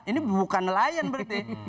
ini bukan nelayan berarti